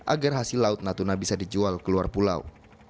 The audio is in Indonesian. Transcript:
agar hasil laut natuna bisa dijual ke luar pulau